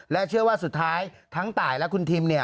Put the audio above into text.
เชื่อว่าสุดท้ายทั้งตายและคุณทิม